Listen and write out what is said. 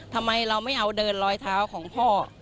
ทำไมเราไม่เอาเดินรอยเท้าของพ่อ